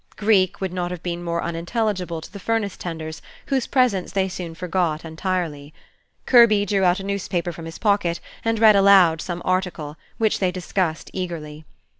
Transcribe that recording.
Greek would not have been more unintelligible to the furnace tenders, whose presence they soon forgot entirely. Kirby drew out a newspaper from his pocket and read aloud some article, which they discussed eagerly.